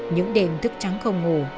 những đêm thức trắng không ngủ